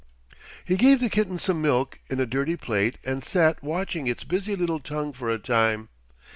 He gave the kitten some milk in a dirty plate and sat watching its busy little tongue for a time.